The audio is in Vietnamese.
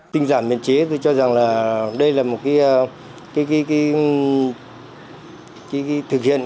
tình giảm biên chế tôi cho rằng là đây là một cái thực hiện